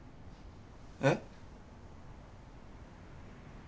えっ？